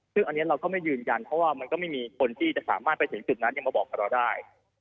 ซึ่งอันนี้เราก็ไม่ยืนยันเพราะว่ามันก็ไม่มีคนที่จะสามารถไปถึงจุดนั้นยังมาบอกกับเราได้